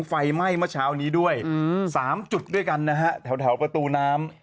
ไฟไหม้เมื่อเช้านี้ด้วย๓จุดด้วยกันนะฮะแถวประตูน้ำ